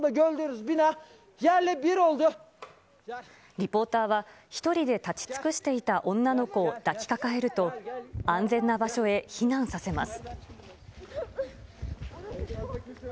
リポーターは、１人で立ち尽くしていた女の子を抱きかかえると、安全な場所へ避難させます。